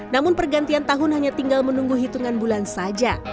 namun pergantian tahun hanya tinggal menunggu hitungan bulan saja